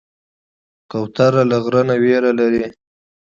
کوتره له غره نه ویره لري.